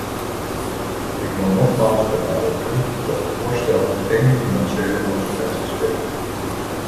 Ik wil nogmaals benadrukken dat het voorstel geen financiële consequenties heeft.